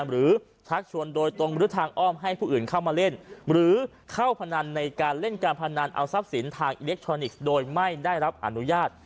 ชักชวนโดยตรงหรือทางอ้อมให้ผู้อื่นเข้ามาเล่นหรือเข้าพนันในการเล่นการพนันเอาทรัพย์สินทางอิเล็กทรอนิกส์โดยไม่ได้รับอนุญาต